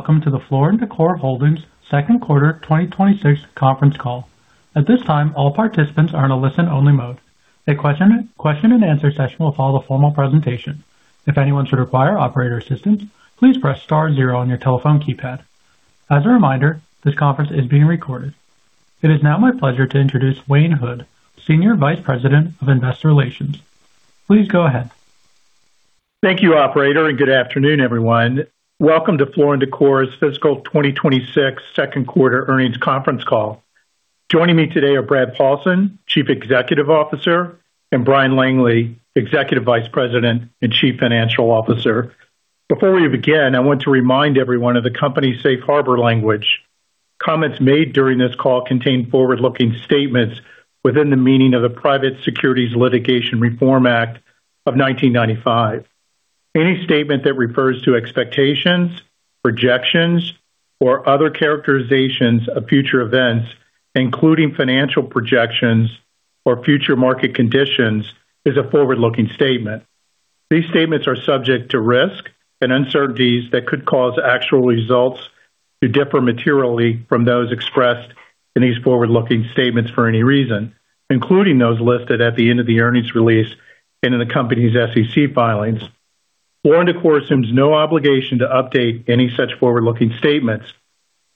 Greetings, welcome to the Floor & Decor Holdings second quarter 2026 conference call. At this time, all participants are in a listen-only mode. A question-and-answer session will follow the formal presentation. If anyone should require operator assistance, please press star zero on your telephone keypad. As a reminder, this conference is being recorded. It is now my pleasure to introduce Wayne Hood, Senior Vice President of Investor Relations. Please go ahead. Thank you, operator, good afternoon, everyone. Welcome to Floor & Decor's fiscal 2026 second quarter earnings conference call. Joining me today are Brad Paulsen, Chief Executive Officer, and Bryan Langley, Executive Vice President and Chief Financial Officer. Before we begin, I want to remind everyone of the company's safe harbor language. Comments made during this call contain forward-looking statements within the meaning of the Private Securities Litigation Reform Act of 1995. Any statement that refers to expectations, projections, or other characterizations of future events, including financial projections or future market conditions, is a forward-looking statement. These statements are subject to risk and uncertainties that could cause actual results to differ materially from those expressed in these forward-looking statements for any reason, including those listed at the end of the earnings release and in the company's SEC filings. Floor & Decor assumes no obligation to update any such forward-looking statements.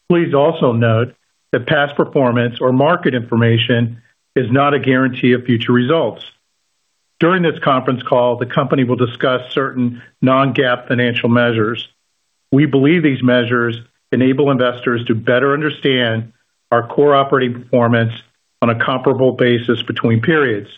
Please also note that past performance or market information is not a guarantee of future results. During this conference call, the company will discuss certain non-GAAP financial measures. We believe these measures enable investors to better understand our core operating performance on a comparable basis between periods.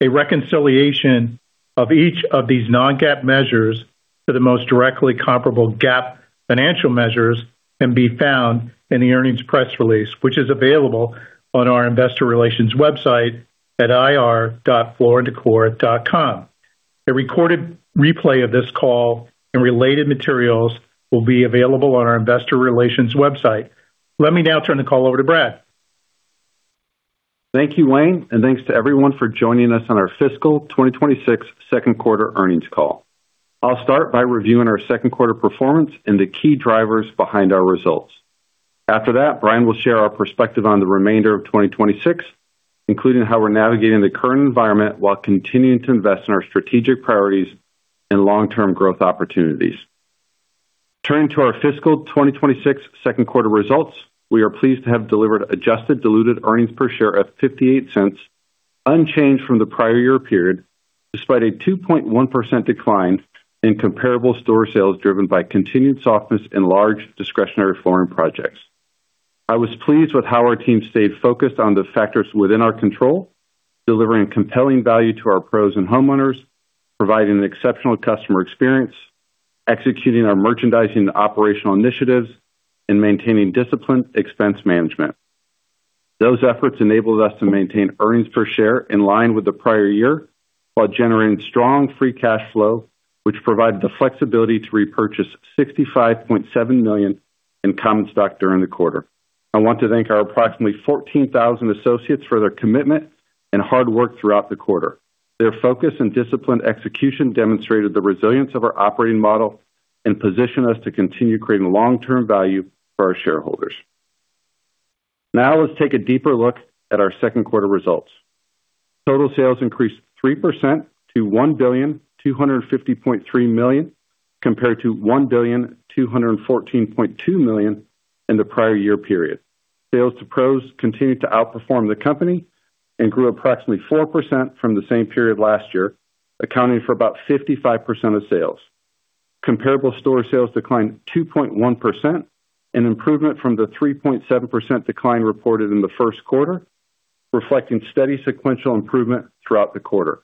A reconciliation of each of these non-GAAP measures to the most directly comparable GAAP financial measures can be found in the earnings press release, which is available on our investor relations website at ir.flooranddecor.com. A recorded replay of this call and related materials will be available on our investor relations website. Let me now turn the call over to Brad. Thank you, Wayne, thanks to everyone for joining us on our fiscal 2026 second quarter earnings call. I'll start by reviewing our second quarter performance and the key drivers behind our results. After that, Bryan will share our perspective on the remainder of 2026, including how we're navigating the current environment while continuing to invest in our strategic priorities and long-term growth opportunities. Turning to our fiscal 2026 second quarter results, we are pleased to have delivered adjusted diluted earnings per share of $0.58, unchanged from the prior year period, despite a 2.1% decline in comparable store sales driven by continued softness in large discretionary flooring projects. I was pleased with how our team stayed focused on the factors within our control, delivering compelling value to our pros and homeowners, providing an exceptional customer experience, executing our merchandising and operational initiatives, and maintaining disciplined expense management. Those efforts enabled us to maintain earnings per share in line with the prior year, while generating strong free cash flow, which provided the flexibility to repurchase $65.7 million in common stock during the quarter. I want to thank our approximately 14,000 associates for their commitment and hard work throughout the quarter. Their focus and disciplined execution demonstrated the resilience of our operating model and position us to continue creating long-term value for our shareholders. Now, let's take a deeper look at our second quarter results. Total sales increased 3% to $1,250.3 million, compared to $1,214.2 million in the prior year period. Sales to pros continued to outperform the company and grew approximately 4% from the same period last year, accounting for about 55% of sales. Comparable store sales declined 2.1%, an improvement from the 3.7% decline reported in the first quarter, reflecting steady sequential improvement throughout the quarter.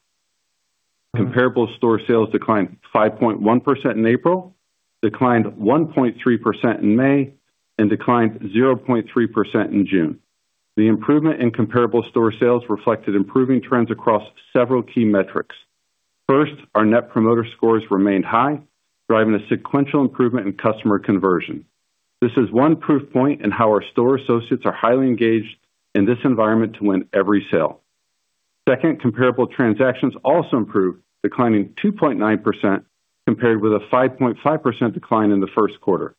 Comparable store sales declined 5.1% in April, declined 1.3% in May, and declined 0.3% in June. The improvement in comparable store sales reflected improving trends across several key metrics. First, our net promoter scores remained high, driving a sequential improvement in customer conversion. This is one proof point in how our store associates are highly engaged in this environment to win every sale. Second, comparable transactions also improved, declining 2.9%, compared with a 5.5% decline in the first quarter.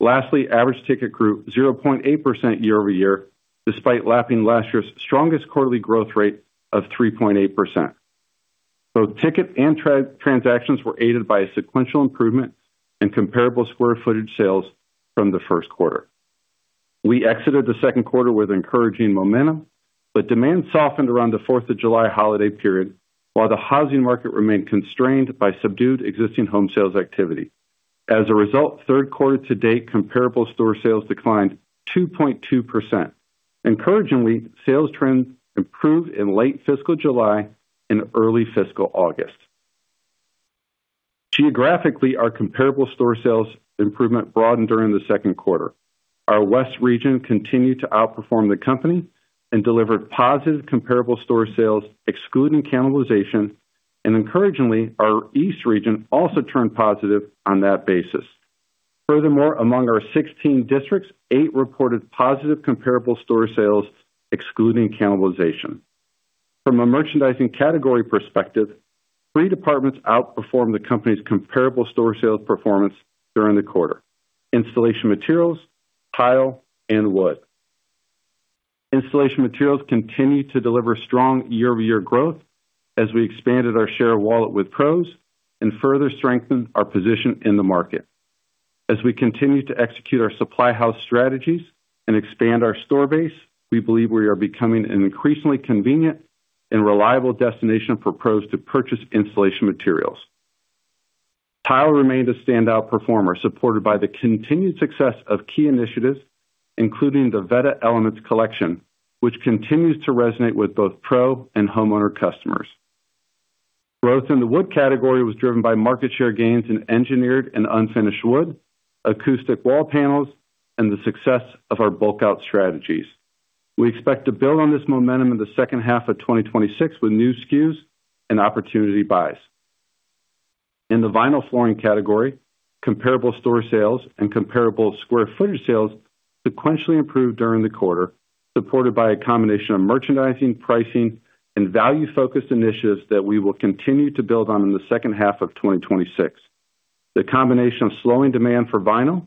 Lastly, average ticket grew 0.8% year-over-year, despite lapping last year's strongest quarterly growth rate of 3.8%. Both ticket and transactions were aided by a sequential improvement in comparable square footage sales from the first quarter. Demand softened around the July 4th holiday period while the housing market remained constrained by subdued existing home sales activity. Third quarter to date comparable store sales declined 2.2%. Encouragingly, sales trends improved in late fiscal July and early fiscal August. Geographically, our comparable store sales improvement broadened during the second quarter. Our west region continued to outperform the company and delivered positive comparable store sales, excluding cannibalization, and encouragingly, our east region also turned positive on that basis. Furthermore, among our 16 districts, eight reported positive comparable store sales excluding cannibalization. From a merchandising category perspective, three departments outperformed the company's comparable store sales performance during the quarter: installation materials, tile, and wood. Installation materials continue to deliver strong year-over-year growth as we expanded our share of wallet with pros and further strengthened our position in the market. We continue to execute our supply house strategies and expand our store base, we believe we are becoming an increasingly convenient and reliable destination for pros to purchase installation materials. Tile remained a standout performer, supported by the continued success of key initiatives, including the Vetta Elements Collection, which continues to resonate with both pro and homeowner customers. Growth in the wood category was driven by market share gains in engineered and unfinished wood, acoustic wall panels, and the success of our bulk out strategies. We expect to build on this momentum in the second half of 2026 with new SKUs and opportunity buys. In the vinyl flooring category, comparable store sales and comparable square footage sales sequentially improved during the quarter, supported by a combination of merchandising, pricing, and value-focused initiatives that we will continue to build on in the second half of 2026. The combination of slowing demand for vinyl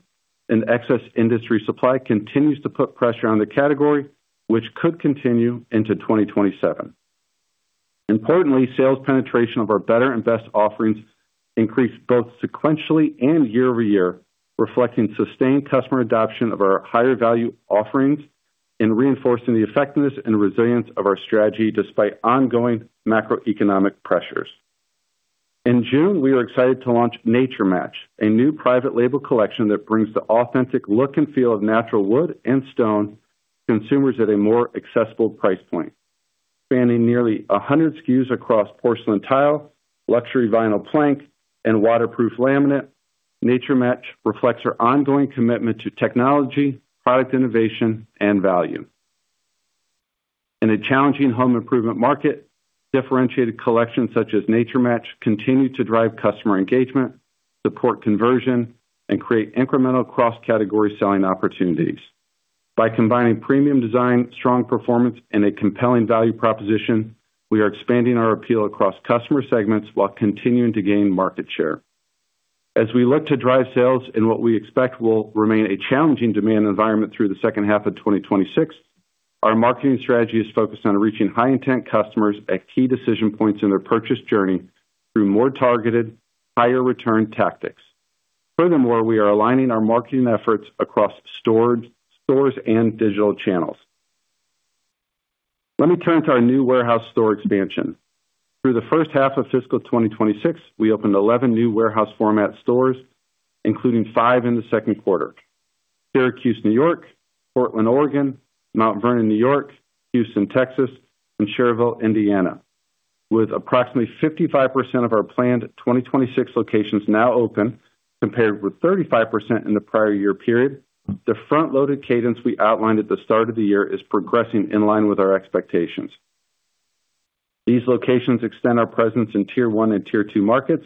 and excess industry supply continues to put pressure on the category, which could continue into 2027. Importantly, sales penetration of our better and best offerings increased both sequentially and year-over-year, reflecting sustained customer adoption of our higher-value offerings and reinforcing the effectiveness and resilience of our strategy despite ongoing macroeconomic pressures. In June, we are excited to launch NatureMatch, a new private label collection that brings the authentic look and feel of natural wood and stone to consumers at a more accessible price point. Spanning nearly 100 SKUs across porcelain tile, luxury vinyl plank, and waterproof laminate, NatureMatch reflects our ongoing commitment to technology, product innovation, and value. In a challenging home improvement market, differentiated collections such as NatureMatch continue to drive customer engagement, support conversion, and create incremental cross-category selling opportunities. By combining premium design, strong performance, and a compelling value proposition, we are expanding our appeal across customer segments while continuing to gain market share. As we look to drive sales in what we expect will remain a challenging demand environment through the second half of 2026, our marketing strategy is focused on reaching high-intent customers at key decision points in their purchase journey through more targeted, higher return tactics. We are aligning our marketing efforts across stores and digital channels. Let me turn to our new warehouse store expansion. Through the first half of fiscal 2026, we opened 11 new warehouse format stores, including five in the second quarter. Syracuse, New York, Portland, Oregon, Mount Vernon, New York, Houston, Texas, and Schererville, Indiana. With approximately 55% of our planned 2026 locations now open, compared with 35% in the prior year period, the front-loaded cadence we outlined at the start of the year is progressing in line with our expectations. These locations extend our presence in tier one and tier two markets,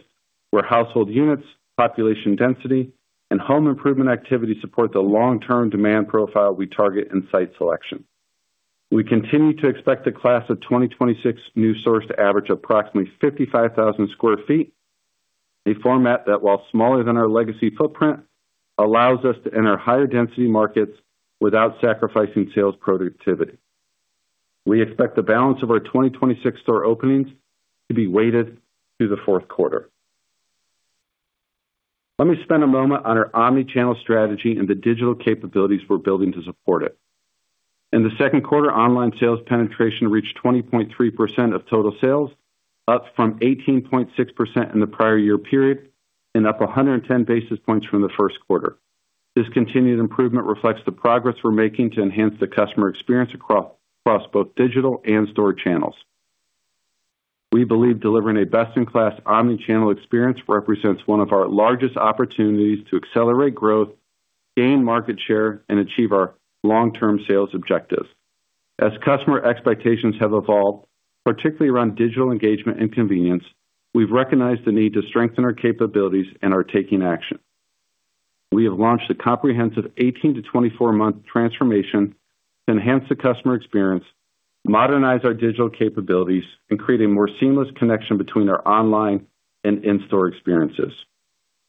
where household units, population density, and home improvement activity support the long-term demand profile we target in site selection. We continue to expect the class of 2026 new stores to average approximately 55,000 sq ft, a format that, while smaller than our legacy footprint, allows us to enter higher density markets without sacrificing sales productivity. We expect the balance of our 2026 store openings to be weighted through the fourth quarter. Let me spend a moment on our omnichannel strategy and the digital capabilities we are building to support it. In the second quarter, online sales penetration reached 20.3% of total sales, up from 18.6% in the prior year period and up 110 basis points from the first quarter. This continued improvement reflects the progress we are making to enhance the customer experience across both digital and store channels. We believe delivering a best-in-class omnichannel experience represents one of our largest opportunities to accelerate growth, gain market share, and achieve our long-term sales objectives. As customer expectations have evolved, particularly around digital engagement and convenience, we have recognized the need to strengthen our capabilities and are taking action. We have launched a comprehensive 18 to 24-month transformation to enhance the customer experience, modernize our digital capabilities, and create a more seamless connection between our online and in-store experiences.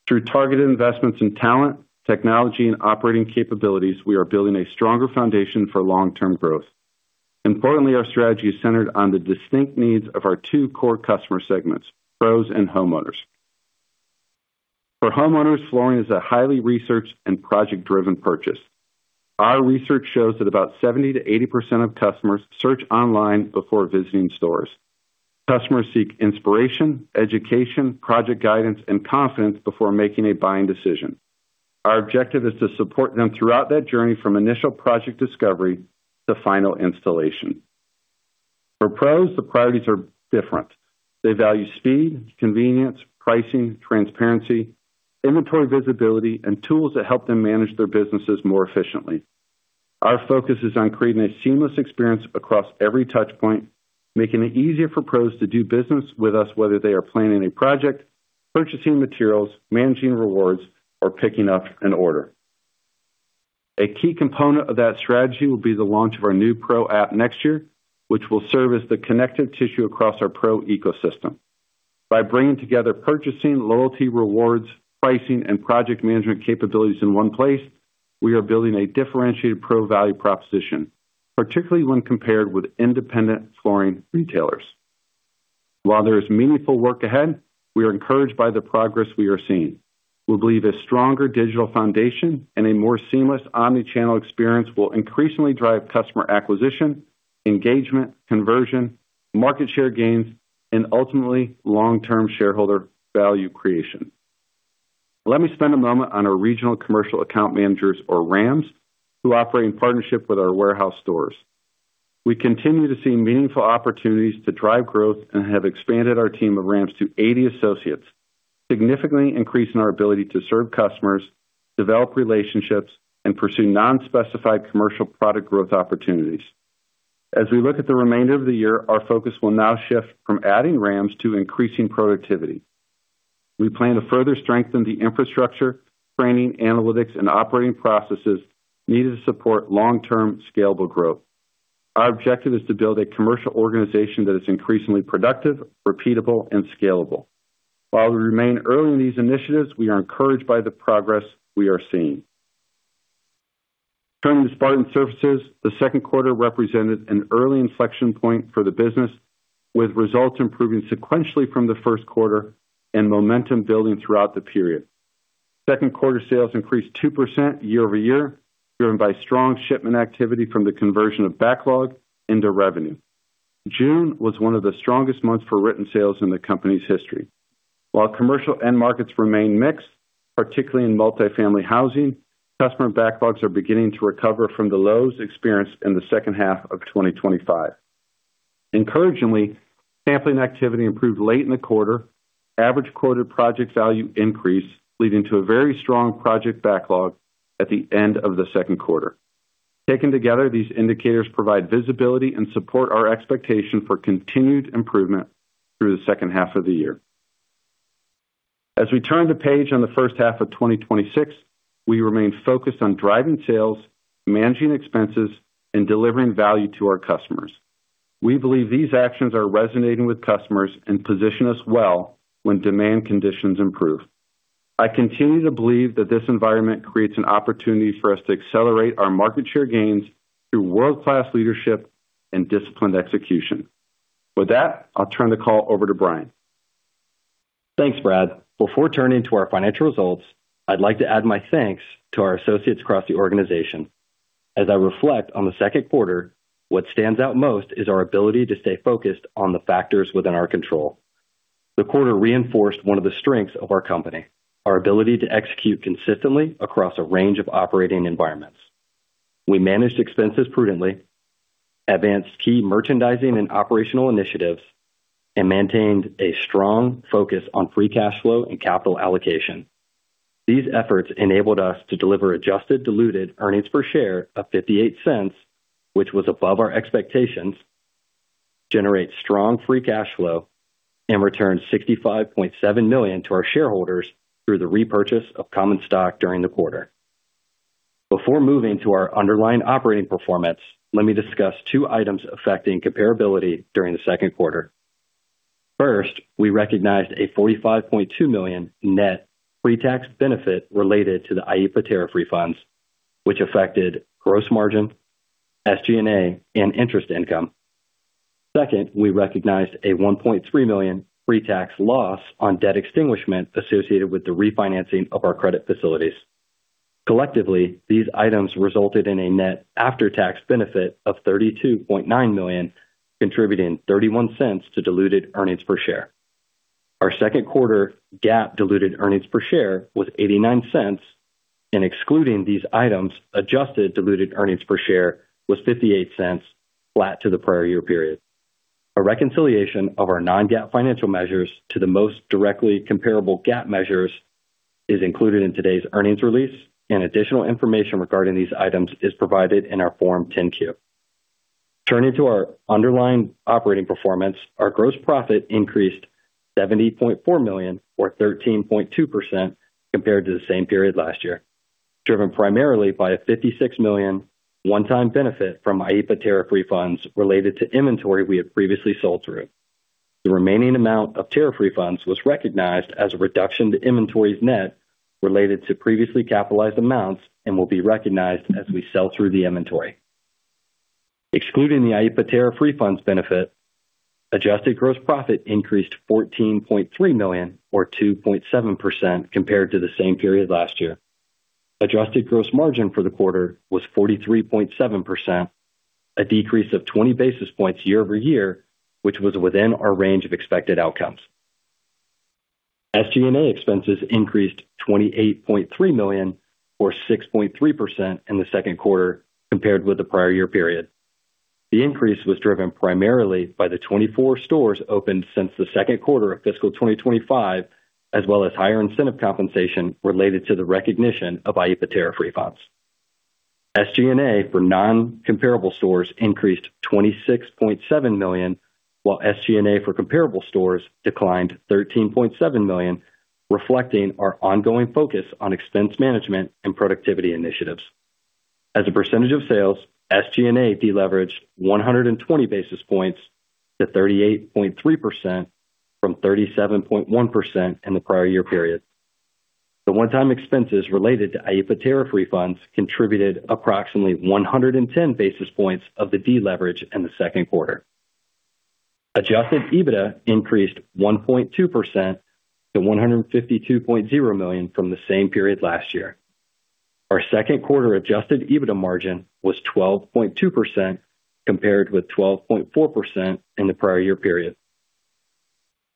Through targeted investments in talent, technology, and operating capabilities, we are building a stronger foundation for long-term growth. Importantly, our strategy is centered on the distinct needs of our two core customer segments, pros and homeowners. For homeowners, flooring is a highly researched and project-driven purchase. Our research shows that about 70%-80% of customers search online before visiting stores. Customers seek inspiration, education, project guidance, and confidence before making a buying decision. Our objective is to support them throughout that journey from initial project discovery to final installation. For pros, the priorities are different. They value speed, convenience, pricing, transparency, inventory visibility, and tools that help them manage their businesses more efficiently. Our focus is on creating a seamless experience across every touch point, making it easier for pros to do business with us, whether they are planning a project, purchasing materials, managing rewards, or picking up an order. A key component of that strategy will be the launch of our new pro app next year, which will serve as the connective tissue across our pro ecosystem. By bringing together purchasing, loyalty rewards, pricing, and project management capabilities in one place, we are building a differentiated pro value proposition, particularly when compared with independent flooring retailers. While there is meaningful work ahead, we are encouraged by the progress we are seeing. We believe a stronger digital foundation and a more seamless omni-channel experience will increasingly drive customer acquisition, engagement, conversion, market share gains, and ultimately, long-term shareholder value creation. Let me spend a moment on our regional commercial account managers, or RAMs, who operate in partnership with our warehouse stores. We continue to see meaningful opportunities to drive growth and have expanded our team of RAMs to 80 associates, significantly increasing our ability to serve customers, develop relationships, and pursue non-specified commercial product growth opportunities. As we look at the remainder of the year, our focus will now shift from adding RAMs to increasing productivity. We plan to further strengthen the infrastructure, training, analytics, and operating processes needed to support long-term scalable growth. Our objective is to build a commercial organization that is increasingly productive, repeatable, and scalable. While we remain early in these initiatives, we are encouraged by the progress we are seeing. Turning to Spartan Surfaces, the second quarter represented an early inflection point for the business, with results improving sequentially from the first quarter and momentum building throughout the period. Second quarter sales increased 2% year-over-year, driven by strong shipment activity from the conversion of backlog into revenue. June was one of the strongest months for written sales in the company's history. While commercial end markets remain mixed, particularly in multi-family housing, customer backlogs are beginning to recover from the lows experienced in the second half of 2025. Encouragingly, sampling activity improved late in the quarter. Average quoted project value increased, leading to a very strong project backlog at the end of the second quarter. Taken together, these indicators provide visibility and support our expectation for continued improvement through the second half of the year. As we turn the page on the first half of 2026, we remain focused on driving sales, managing expenses, and delivering value to our customers. We believe these actions are resonating with customers and position us well when demand conditions improve. I continue to believe that this environment creates an opportunity for us to accelerate our market share gains through world-class leadership and disciplined execution. With that, I'll turn the call over to Bryan. Thanks, Brad. Before turning to our financial results, I'd like to add my thanks to our associates across the organization. As I reflect on the second quarter, what stands out most is our ability to stay focused on the factors within our control. The quarter reinforced one of the strengths of our company, our ability to execute consistently across a range of operating environments. We managed expenses prudently, advanced key merchandising and operational initiatives, and maintained a strong focus on free cash flow and capital allocation. These efforts enabled us to deliver adjusted diluted earnings per share of $0.58, which was above our expectations, generate strong free cash flow, and return $65.7 million to our shareholders through the repurchase of common stock during the quarter. Before moving to our underlying operating performance, let me discuss two items affecting comparability during the second quarter. First, we recognized a $45.2 million net pre-tax benefit related to the IEEPA tariff refunds, which affected gross margin, SG&A, and interest income. Second, we recognized a $1.3 million pre-tax loss on debt extinguishment associated with the refinancing of our credit facilities. Collectively, these items resulted in a net after-tax benefit of $32.9 million, contributing $0.31 to diluted earnings per share. Our second quarter GAAP diluted earnings per share was $0.89, and excluding these items, adjusted diluted earnings per share was $0.58, flat to the prior year period. A reconciliation of our non-GAAP financial measures to the most directly comparable GAAP measures is included in today's earnings release, and additional information regarding these items is provided in our Form 10-Q. Turning to our underlying operating performance, our gross profit increased $70.4 million, or 13.2%, compared to the same period last year, driven primarily by a $56 million one-time benefit from IEEPA tariff refunds related to inventory we have previously sold through. The remaining amount of tariff refunds was recognized as a reduction to inventories net related to previously capitalized amounts and will be recognized as we sell through the inventory. Excluding the IEEPA tariff refunds benefit, adjusted gross profit increased $14.3 million, or 2.7%, compared to the same period last year. Adjusted gross margin for the quarter was 43.7%, a decrease of 20 basis points year-over-year, which was within our range of expected outcomes. SG&A expenses increased $28.3 million, or 6.3%, in the second quarter compared with the prior year period. The increase was driven primarily by the 24 stores opened since the second quarter of fiscal 2025, as well as higher incentive compensation related to the recognition of IEEPA tariff refunds. SG&A for non-comparable stores increased $26.7 million, while SG&A for comparable stores declined $13.7 million, reflecting our ongoing focus on expense management and productivity initiatives. As a percentage of sales, SG&A deleveraged 120 basis points to 38.3% from 37.1% in the prior year period. The one-time expenses related to IEEPA tariff refunds contributed approximately 110 basis points of the deleverage in the second quarter. Adjusted EBITDA increased 1.2% to $152.0 million from the same period last year. Our second quarter adjusted EBITDA margin was 12.2%, compared with 12.4% in the prior year period.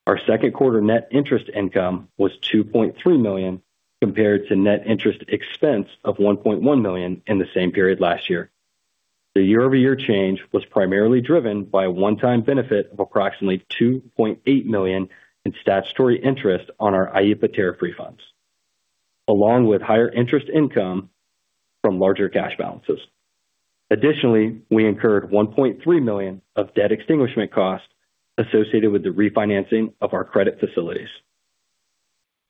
Our second quarter net interest income was $2.3 million, compared to net interest expense of $1.1 million in the same period last year. The year-over-year change was primarily driven by a one-time benefit of approximately $2.8 million in statutory interest on our IEEPA tariff refunds, along with higher interest income from larger cash balances. Additionally, we incurred $1.3 million of debt extinguishment costs associated with the refinancing of our credit facilities.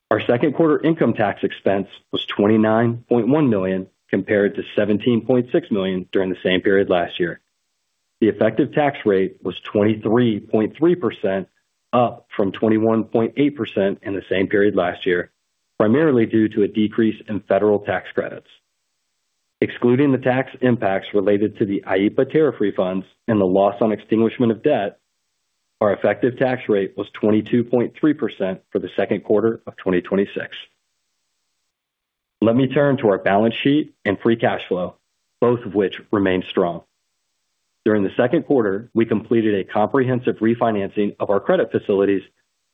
Our second quarter income tax expense was $29.1 million compared to $17.6 million during the same period last year. The effective tax rate was 23.3%, up from 21.8% in the same period last year, primarily due to a decrease in federal tax credits. Excluding the tax impacts related to the IEEPA tariff refunds and the loss on extinguishment of debt, our effective tax rate was 22.3% for the second quarter of 2026. Let me turn to our balance sheet and free cash flow, both of which remain strong. During the second quarter, we completed a comprehensive refinancing of our credit facilities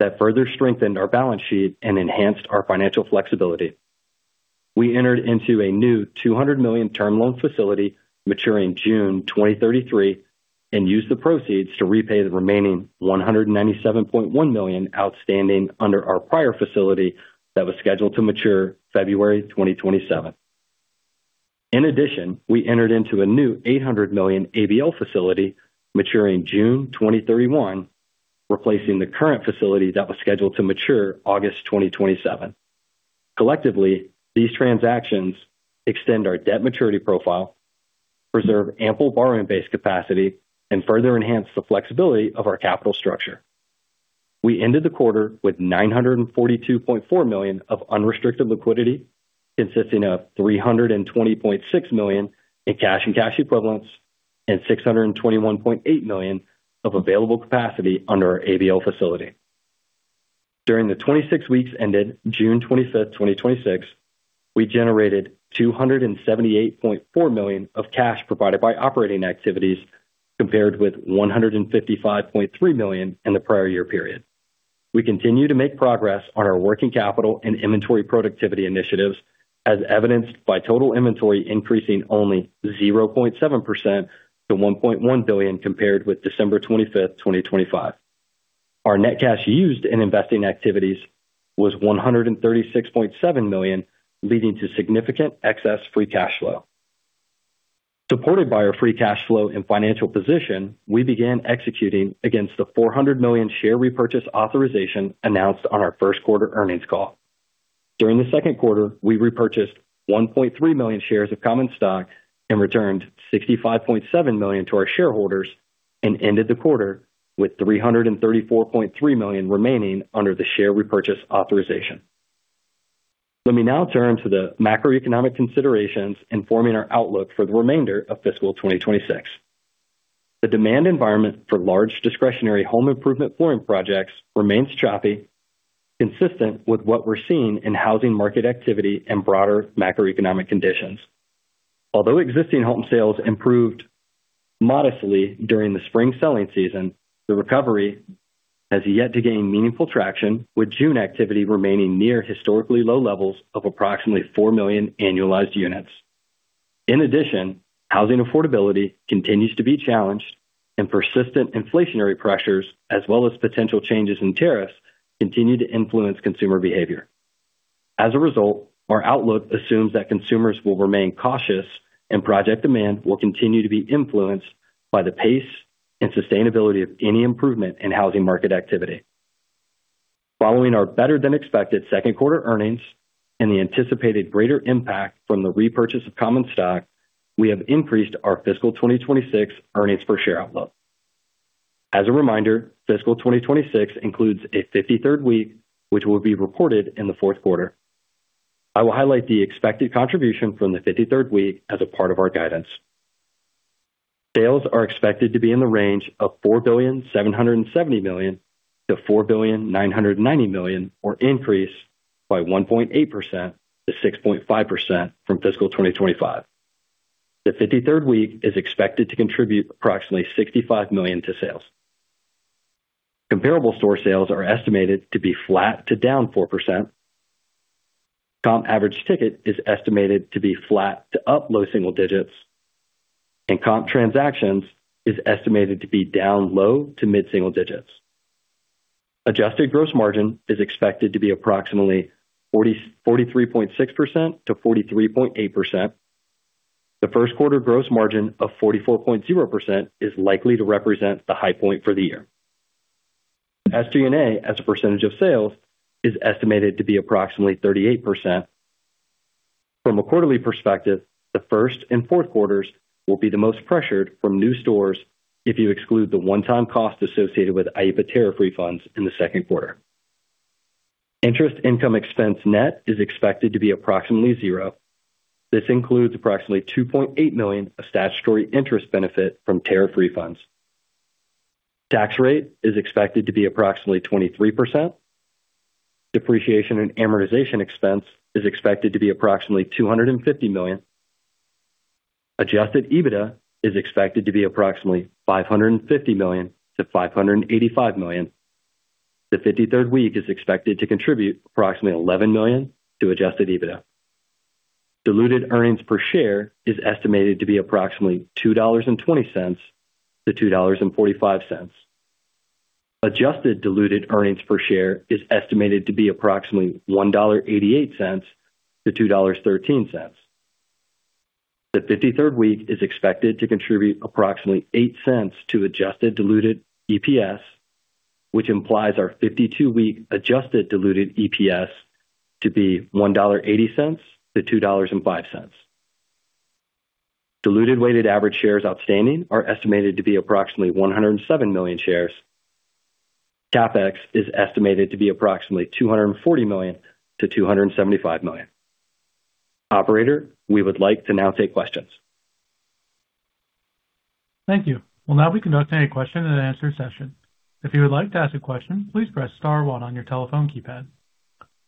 that further strengthened our balance sheet and enhanced our financial flexibility. We entered into a new $200 million term loan facility maturing June 2033 and used the proceeds to repay the remaining $197.1 million outstanding under our prior facility that was scheduled to mature February 2027. In addition, we entered into a new $800 million ABL facility maturing June 2031, replacing the current facility that was scheduled to mature August 2027. Collectively, these transactions extend our debt maturity profile, preserve ample borrowing base capacity, and further enhance the flexibility of our capital structure. We ended the quarter with $942.4 million of unrestricted liquidity, consisting of $320.6 million in cash and cash equivalents and $621.8 million of available capacity under our ABL facility. During the 26 weeks ended June 25th, 2026, we generated $278.4 million of cash provided by operating activities, compared with $155.3 million in the prior year period. We continue to make progress on our working capital and inventory productivity initiatives, as evidenced by total inventory increasing only 0.7% to $1.1 billion compared with December 25th, 2025. Our net cash used in investing activities was $136.7 million, leading to significant excess free cash flow. Supported by our free cash flow and financial position, we began executing against the $400 million share repurchase authorization announced on our first quarter earnings call. During the second quarter, we repurchased 1.3 million shares of common stock and returned $65.7 million to our shareholders and ended the quarter with $334.3 million remaining under the share repurchase authorization. Let me now turn to the macroeconomic considerations informing our outlook for the remainder of fiscal 2026. The demand environment for large discretionary home improvement flooring projects remains choppy, consistent with what we're seeing in housing market activity and broader macroeconomic conditions. Although existing home sales improved modestly during the spring selling season, the recovery has yet to gain meaningful traction, with June activity remaining near historically low levels of approximately four million annualized units. In addition, housing affordability continues to be challenged, and persistent inflationary pressures, as well as potential changes in tariffs, continue to influence consumer behavior. As a result, our outlook assumes that consumers will remain cautious and project demand will continue to be influenced by the pace and sustainability of any improvement in housing market activity. Following our better-than-expected second quarter earnings and the anticipated greater impact from the repurchase of common stock, we have increased our fiscal 2026 earnings per share outlook. As a reminder, fiscal 2026 includes a 53rd week, which will be reported in the fourth quarter. I will highlight the expected contribution from the 53rd week as a part of our guidance. Sales are expected to be in the range of $4,770 million-$4,990 million, or increase by 1.8%-6.5% from fiscal 2025. The 53rd week is expected to contribute approximately $65 million to sales. Comparable store sales are estimated to be flat to down 4%. Comp average ticket is estimated to be flat to up low single digits, and comp transactions is estimated to be down low to mid-single digits. Adjusted gross margin is expected to be approximately 43.6%-43.8%. The first quarter gross margin of 44.0% is likely to represent the high point for the year. SG&A, as a percentage of sales, is estimated to be approximately 38%. From a quarterly perspective, the first and fourth quarters will be the most pressured from new stores if you exclude the one-time cost associated with IEEPA tariff refunds in the second quarter. Interest income expense net is expected to be approximately zero. This includes approximately $2.8 million of statutory interest benefit from tariff refunds. Tax rate is expected to be approximately 23%. Depreciation and amortization expense is expected to be approximately $250 million. Adjusted EBITDA is expected to be approximately $550 million-$585 million. The 53rd week is expected to contribute approximately $11 million to adjusted EBITDA. Diluted earnings per share is estimated to be approximately $2.20-$2.45. Adjusted diluted earnings per share is estimated to be approximately $1.88-$2.13. The 53rd week is expected to contribute approximately $0.08 to adjusted diluted EPS, which implies our 52-week adjusted diluted EPS to be $1.80-$2.05. Diluted weighted average shares outstanding are estimated to be approximately 107 million shares. CapEx is estimated to be approximately $240 million-$275 million. Operator, we would like to now take questions. Thank you. We'll now be conducting a question and answer session. If you would like to ask a question, please press star one on your telephone keypad.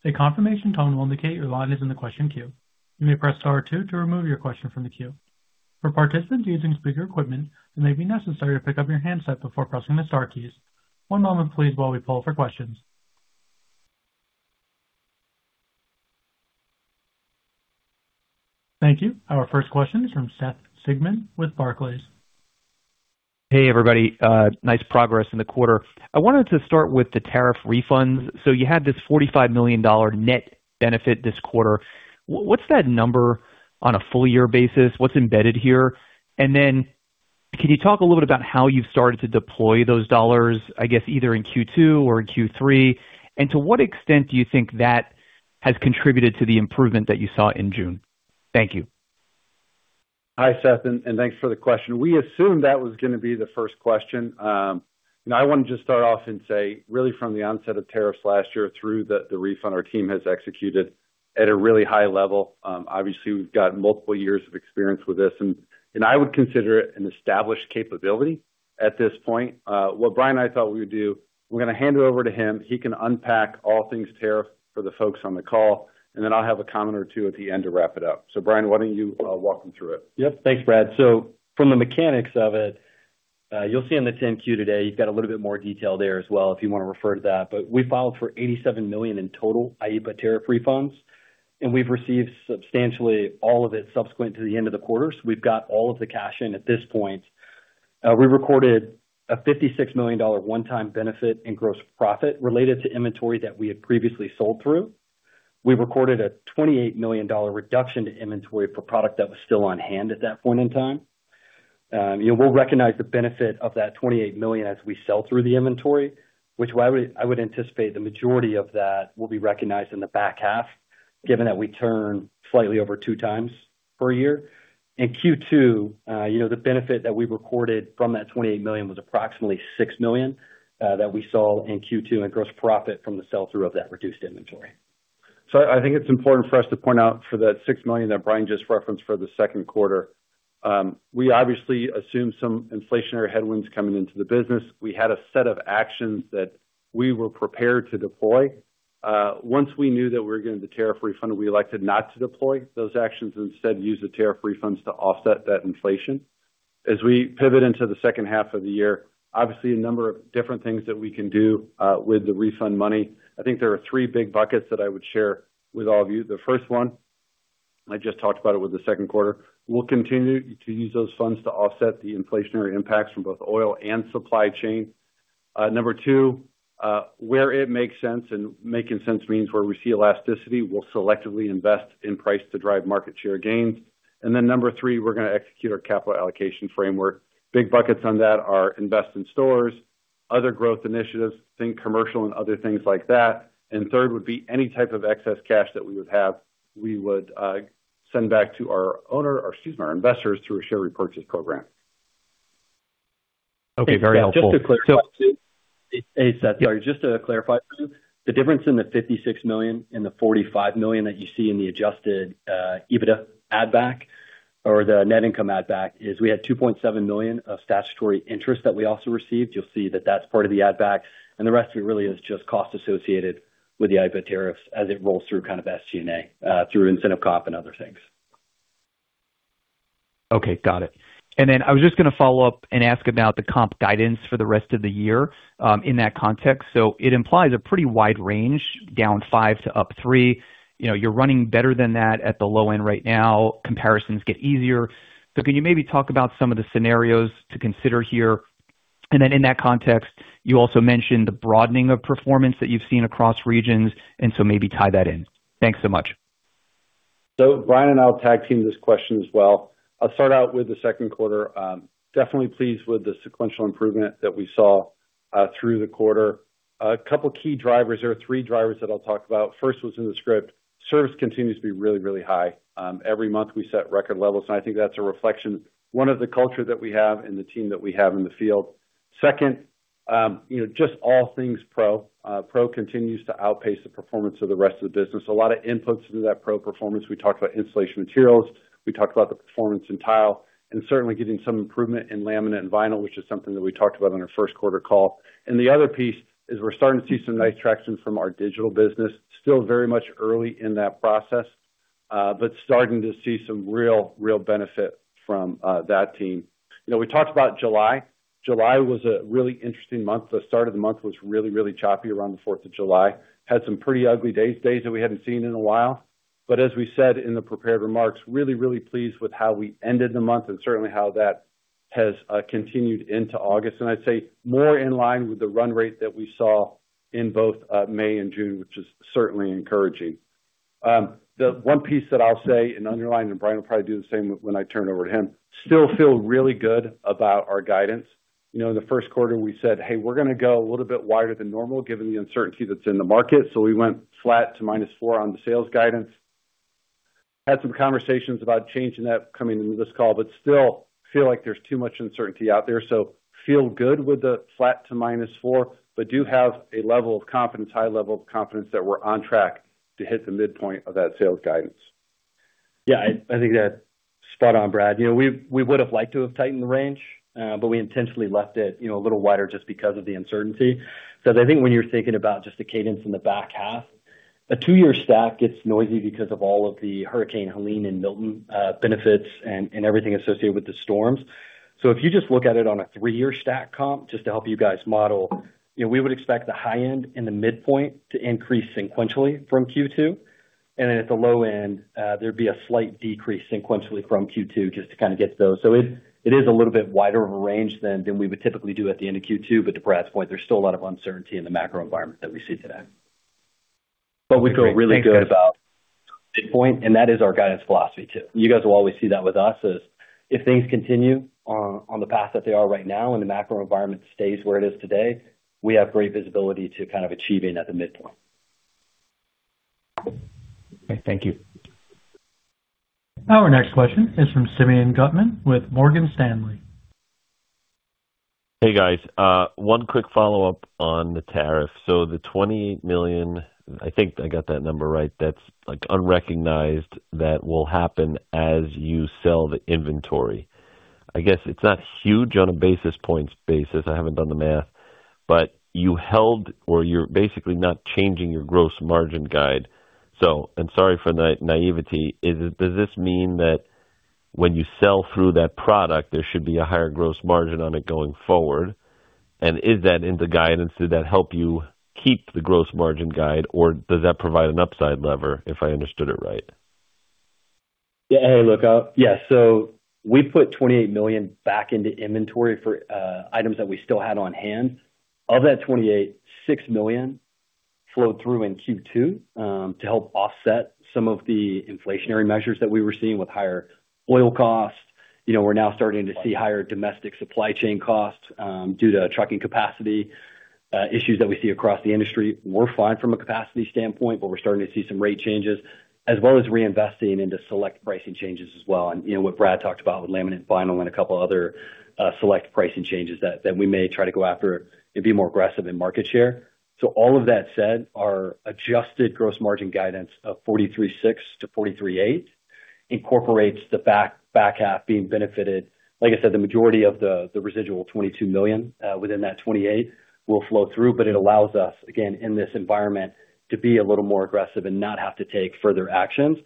A confirmation tone will indicate your line is in the question queue. You may press star two to remove your question from the queue. For participants using speaker equipment, it may be necessary to pick up your handset before pressing the star keys. One moment please while we poll for questions. Thank you. Our first question is from Seth Sigman with Barclays. Hey, everybody. Nice progress in the quarter. I wanted to start with the tariff refunds. You had this $45 million net benefit this quarter. What's that number on a full year basis? What's embedded here? Can you talk a little bit about how you've started to deploy those dollars, I guess, either in Q2 or in Q3? To what extent do you think that has contributed to the improvement that you saw in June? Thank you. Hi, Seth, and thanks for the question. I assumed that was going to be the first question. I want to just start off and say, really from the onset of tariffs last year through the refund, our team has executed at a really high level. Obviously, we've got multiple years of experience with this, and I would consider it an established capability at this point. What Bryan and I thought we would do, we're going to hand it over to him. He can unpack all things tariff for the folks on the call, and then I'll have a comment or two at the end to wrap it up. Bryan, why don't you walk them through it? Yep. Thanks, Brad. From the mechanics of it, you'll see in the 10-Q today, you've got a little bit more detail there as well if you want to refer to that. We filed for $87 million in total IEEPA tariff refunds, and we've received substantially all of it subsequent to the end of the quarter. We've got all of the cash in at this point. We recorded a $56 million one-time benefit in gross profit related to inventory that we had previously sold through. We recorded a $28 million reduction to inventory for product that was still on hand at that point in time. We'll recognize the benefit of that $28 million as we sell through the inventory, which I would anticipate the majority of that will be recognized in the back half, given that we turn slightly over two times per year. In Q2, the benefit that we recorded from that $28 million was approximately $6 million, that we saw in Q2 in gross profit from the sell-through of that reduced inventory. I think it's important for us to point out for that $6 million that Bryan just referenced for the second quarter. We obviously assumed some inflationary headwinds coming into the business. We had a set of actions that we were prepared to deploy. Once we knew that we were getting the tariff refund, we elected not to deploy those actions and instead use the tariff refunds to offset that inflation. As we pivot into the second half of the year, obviously, a number of different things that we can do with the refund money. I think there are three big buckets that I would share with all of you. The first one, I just talked about it with the second quarter. We'll continue to use those funds to offset the inflationary impacts from both oil and supply chain. Number two, where it makes sense, and making sense means where we see elasticity, we'll selectively invest in price to drive market share gains. Number three, we're going to execute our capital allocation framework. Big buckets on that are invest in stores, other growth initiatives, think commercial and other things like that. Third would be any type of excess cash that we would have, we would send back to our investors through a share repurchase program. Very helpful. Hey, Seth. Sorry, just to clarify for you, the difference in the $56 million and the $45 million that you see in the adjusted EBITDA add back or the net income add back is we had $2.7 million of statutory interest that we also received. You'll see that that's part of the add back. The rest of it really is just cost associated with the IEEPA tariffs as it rolls through SG&A, through incentive comp and other things. Okay. Got it. I was just going to follow up and ask about the comp guidance for the rest of the year in that context. It implies a pretty wide range, -5% to +3%. You're running better than that at the low end right now. Comparisons get easier. Can you maybe talk about some of the scenarios to consider here? In that context, you also mentioned the broadening of performance that you've seen across regions, maybe tie that in. Thanks so much. Bryan and I will tag team this question as well. I'll start out with the second quarter. Definitely pleased with the sequential improvement that we saw through the quarter. A two key drivers. There are three drivers that I'll talk about. First was in the script. Service continues to be really, really high. Every month, we set record levels, and I think that's a reflection, one of the culture that we have and the team that we have in the field. Second, just all things pro. Pro continues to outpace the performance of the rest of the business. A lot of inputs into that pro performance. We talked about installation materials, we talked about the performance in tile, and certainly getting some improvement in laminate and vinyl, which is something that we talked about on our first quarter call. The other piece is we're starting to see some nice traction from our digital business. Still very much early in that process, but starting to see some real benefit from that team. We talked about July. July was a really interesting month. The start of the month was really, really choppy around the July 4th. Had some pretty ugly days that we hadn't seen in a while. As we said in the prepared remarks, really, really pleased with how we ended the month and certainly how that has continued into August. I'd say more in line with the run rate that we saw in both May and June, which is certainly encouraging. The one piece that I'll say and underline, Bryan will probably do the same when I turn it over to him, still feel really good about our guidance. In the first quarter, we said, "Hey, we're going to go a little bit wider than normal, given the uncertainty that's in the market." We went flat to -4% on the sales guidance. Had some conversations about changing that coming into this call, still feel like there's too much uncertainty out there. Feel good with the flat to -4%, but do have a level of confidence, high level of confidence, that we're on track to hit the midpoint of that sales guidance. Yeah, I think that's spot on, Brad. We would have liked to have tightened the range. We intentionally left it a little wider just because of the uncertainty. I think when you're thinking about just the cadence in the back half, a two-year stack gets noisy because of all of the Hurricane Helene and Hurricane Milton benefits and everything associated with the storms. If you just look at it on a three-year stack comp, just to help you guys model, we would expect the high end and the midpoint to increase sequentially from Q2. At the low end, there'd be a slight decrease sequentially from Q2 just to kind of get those. It is a little bit wider of a range than we would typically do at the end of Q2. To Brad's point, there's still a lot of uncertainty in the macro environment that we see today. Great. Thanks, guys. We feel really good about midpoint, and that is our guidance philosophy too. You guys will always see that with us is if things continue on the path that they are right now and the macro environment stays where it is today, we have great visibility to kind of achieving at the midpoint. Okay, thank you. Our next question is from Simeon Gutman with Morgan Stanley. Hey, guys. One quick follow-up on the tariff. The $28 million, I think I got that number right, that's unrecognized, that will happen as you sell the inventory. I guess it's not huge on a basis points basis, I haven't done the math, but you held or you're basically not changing your gross margin guide. Sorry for the naivety, does this mean that when you sell through that product, there should be a higher gross margin on it going forward? And is that in the guidance? Did that help you keep the gross margin guide, or does that provide an upside lever, if I understood it right? Hey, look. We put $28 million back into inventory for items that we still had on hand. Of that $28 million, $6 million flowed through in Q2, to help offset some of the inflationary measures that we were seeing with higher oil costs. We're now starting to see higher domestic supply chain costs due to trucking capacity, issues that we see across the industry. We're fine from a capacity standpoint, but we're starting to see some rate changes, as well as reinvesting into select pricing changes as well. What Brad talked about with laminate and vinyl and a couple other select pricing changes that we may try to go after and be more aggressive in market share. All of that said, our adjusted gross margin guidance of 43.6%-43.8% incorporates the back half being benefited. Like I said, the majority of the residual $22 million within that $28 will flow through, it allows us, again, in this environment, to be a little more aggressive and not have to take further actions.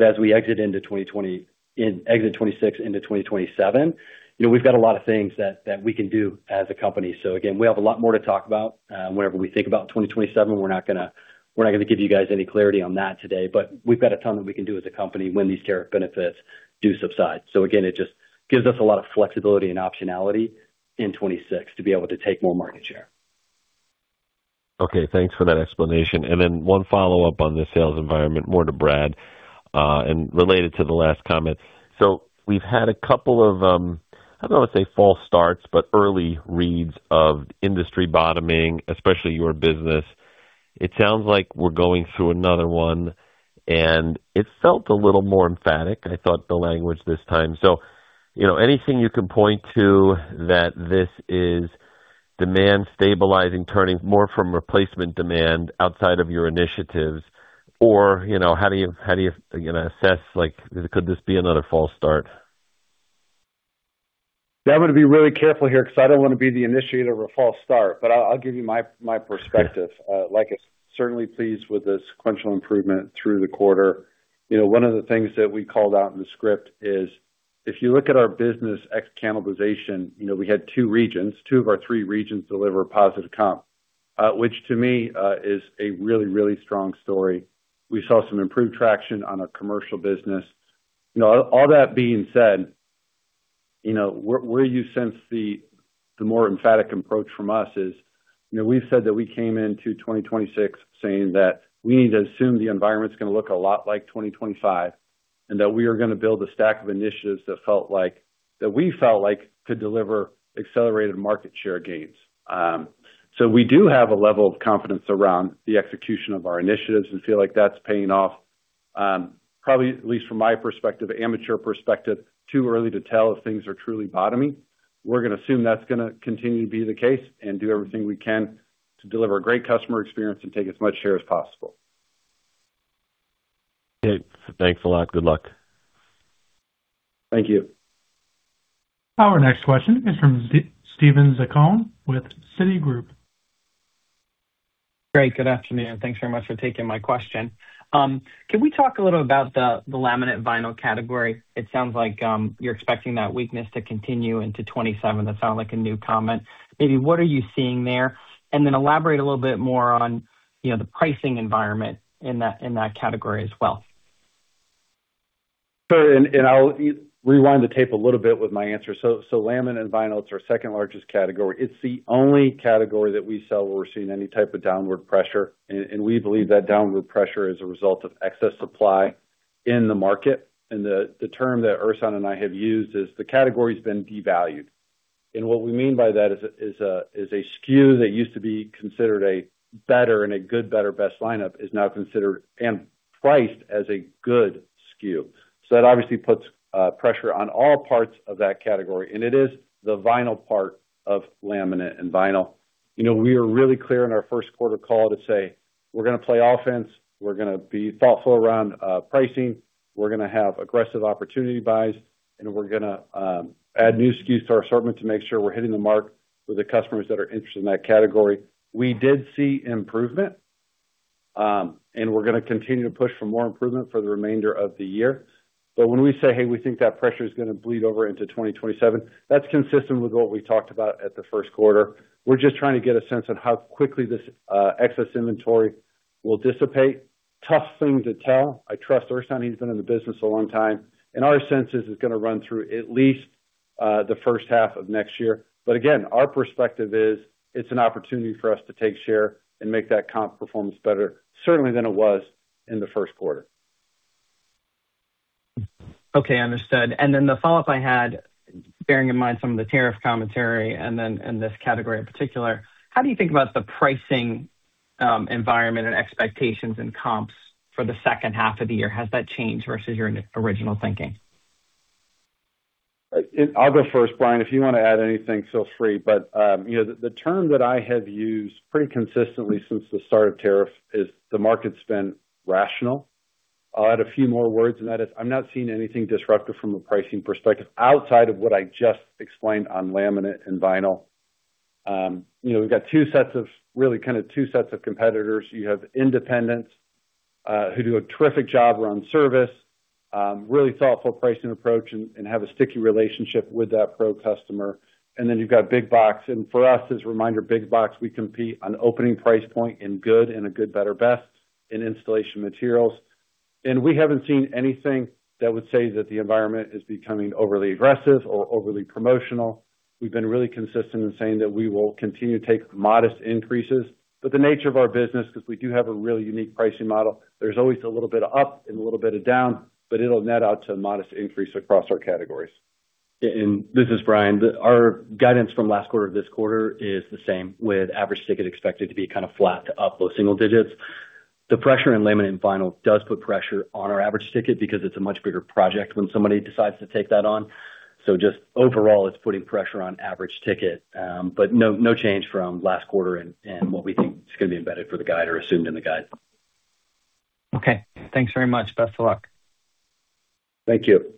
As we exit 2026 into 2027, we've got a lot of things that we can do as a company. Again, we have a lot more to talk about. Whenever we think about 2027, we're not going to give you guys any clarity on that today. We've got a ton that we can do as a company when these tariff benefits do subside. Again, it just gives us a lot of flexibility and optionality in 2026 to be able to take more market share. Okay, thanks for that explanation. One follow-up on the sales environment, more to Brad, and related to the last comment. We've had a couple of, I don't want to say false starts, but early reads of industry bottoming, especially your business. It sounds like we're going through another one, and it felt a little more emphatic, I thought the language this time. Anything you can point to that this is demand stabilizing, turning more from replacement demand outside of your initiatives, or how do you assess, could this be another false start? Yeah, I'm going to be really careful here because I don't want to be the initiator of a false start, I'll give you my perspective. Like I said, certainly pleased with the sequential improvement through the quarter. One of the things that we called out in the script is if you look at our business ex cannibalization, we had two regions, two of our three regions deliver a positive comp, which to me, is a really, really strong story. We saw some improved traction on our commercial business. All that being said, where you sense the more emphatic approach from us is, we've said that we came into 2026 saying that we need to assume the environment's going to look a lot like 2025, that we are going to build a stack of initiatives that we felt like could deliver accelerated market share gains. We do have a level of confidence around the execution of our initiatives and feel like that's paying off. Probably, at least from my perspective, amateur perspective, too early to tell if things are truly bottoming. We're going to assume that's going to continue to be the case and do everything we can to deliver a great customer experience and take as much share as possible. Okay. Thanks a lot. Good luck. Thank you. Our next question is from Steven Zaccone with Citigroup. Great. Good afternoon. Thanks very much for taking my question. Can we talk a little about the laminate vinyl category? It sounds like you're expecting that weakness to continue into 2027. That sounded like a new comment. Maybe, what are you seeing there? Elaborate a little bit more on the pricing environment in that category as well. Sure, I'll rewind the tape a little bit with my answer. Laminate and vinyl, it's our second-largest category. It's the only category that we sell where we're seeing any type of downward pressure, and we believe that downward pressure is a result of excess supply in the market. The term that Ersan and I have used is the category's been devalued. What we mean by that is a SKU that used to be considered a better in a good, better, best lineup is now considered and priced as a good SKU. That obviously puts pressure on all parts of that category, and it is the vinyl part of laminate and vinyl. We were really clear on our first quarter call to say we're going to play offense, we're going to be thoughtful around pricing, we're going to have aggressive opportunity buys, and we're going to add new SKUs to our assortment to make sure we're hitting the mark with the customers that are interested in that category. We did see improvement, and we're going to continue to push for more improvement for the remainder of the year. When we say, "Hey, we think that pressure is going to bleed over into 2027," that's consistent with what we talked about at the first quarter. We're just trying to get a sense of how quickly this excess inventory will dissipate. Tough thing to tell. I trust Ersan. He's been in the business a long time. Our sense is it's going to run through at least the first half of next year. Again, our perspective is it's an opportunity for us to take share and make that comp performance better, certainly than it was in the first quarter. Okay. Understood. The follow-up I had, bearing in mind some of the tariff commentary and then in this category in particular, how do you think about the pricing environment and expectations and comps for the second half of the year? Has that changed versus your original thinking? I'll go first. Bryan, if you want to add anything, feel free. The term that I have used pretty consistently since the start of tariff is the market's been rational. I'll add a few more words in that. I'm not seeing anything disruptive from a pricing perspective outside of what I just explained on laminate and vinyl. We've got two sets of competitors. You have independents who do a terrific job around service, really thoughtful pricing approach, and have a sticky relationship with that pro customer. Then you've got big box. For us, as a reminder, big box, we compete on opening price point in good, in a good, better, best in installation materials. We haven't seen anything that would say that the environment is becoming overly aggressive or overly promotional. We've been really consistent in saying that we will continue to take modest increases. The nature of our business, because we do have a really unique pricing model, there's always a little bit of up and a little bit of down, but it'll net out to a modest increase across our categories. This is Bryan. Our guidance from last quarter to this quarter is the same, with average ticket expected to be kind of flat to up low single digits. The pressure in laminate and vinyl does put pressure on our average ticket because it's a much bigger project when somebody decides to take that on. Just overall, it's putting pressure on average ticket. No change from last quarter and what we think is going to be embedded for the guide or assumed in the guide. Okay. Thanks very much. Best of luck. Thank you.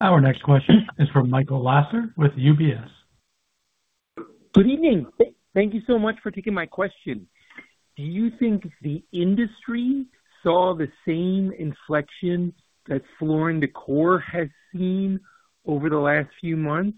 Our next question is from Michael Lasser with UBS. Good evening. Thank you so much for taking my question. Do you think the industry saw the same inflection that Floor & Decor has seen over the last few months,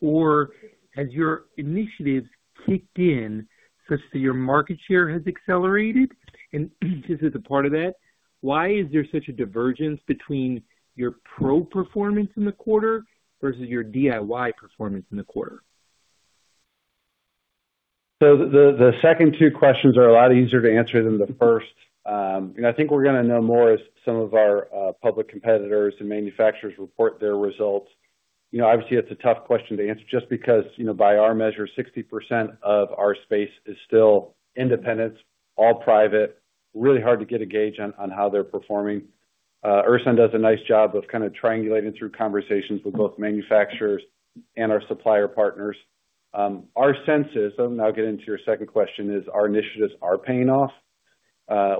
or has your initiatives kicked in such that your market share has accelerated? This is a part of that, why is there such a divergence between your pro performance in the quarter versus your DIY performance in the quarter? The second two questions are a lot easier to answer than the first. I think we're going to know more as some of our public competitors and manufacturers report their results. Obviously, it's a tough question to answer just because, by our measure, 60% of our space is still independents, all private. Really hard to get a gauge on how they're performing. Ersan does a nice job of kind of triangulating through conversations with both manufacturers and our supplier partners. Our sense is, I'll now get into your second question, is our initiatives are paying off.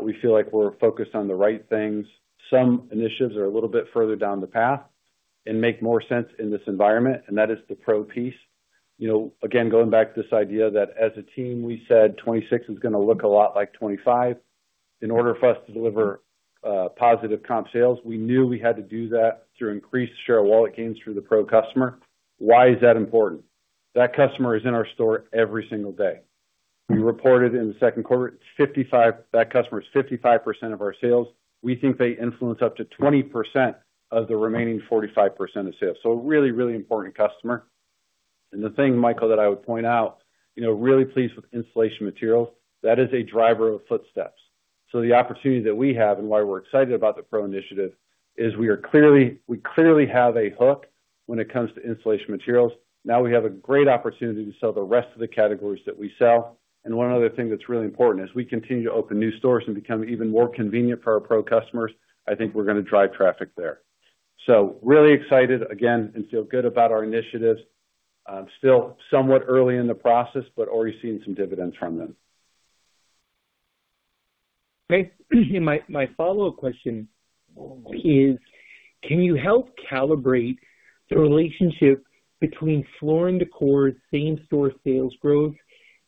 We feel like we're focused on the right things. Some initiatives are a little bit further down the path and make more sense in this environment, and that is the pro piece. Going back to this idea that as a team, we said 2026 is going to look a lot like 2025. In order for us to deliver positive comp sales, we knew we had to do that through increased share of wallet gains through the pro customer. Why is that important? That customer is in our store every single day. We reported in the second quarter, that customer is 55% of our sales. We think they influence up to 20% of the remaining 45% of sales. Really, really important customer. The thing, Michael, that I would point out, really pleased with installation materials. That is a driver of footsteps. The opportunity that we have, and why we're excited about the pro initiative, is we clearly have a hook when it comes to installation materials. Now we have a great opportunity to sell the rest of the categories that we sell. One other thing that's really important is we continue to open new stores and become even more convenient for our pro customers. I think we're going to drive traffic there. Really excited again and feel good about our initiatives. Still somewhat early in the process, but already seeing some dividends from them. Okay. My follow-up question is, can you help calibrate the relationship between Floor & Decor same store sales growth